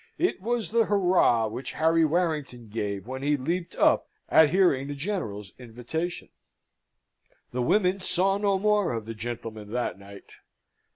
It was the hurrah which Harry Warrington gave when he leaped up at hearing the General's invitation. The women saw no more of the gentlemen that night.